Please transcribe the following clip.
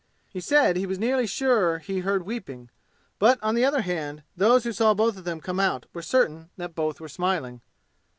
He said he was nearly sure he heard weeping. But on the other hand, those who saw both of them come out were certain that both were smiling.